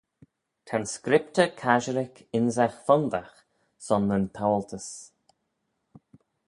Ta'n Scriptyr Casherick ynsagh fondagh son nyn taualtys.